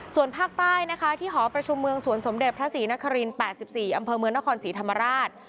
ส่วนภาคใต้นะคะที่หอประชุมเมืองสวนสมเด็จพระศรีนคริน๘๔อำเภอเมืองนครศรีธรรมราช